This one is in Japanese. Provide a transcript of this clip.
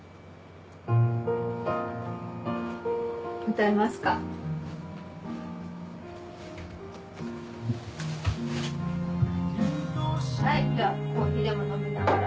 歌いますか。じゃあコーヒーでも飲みながら。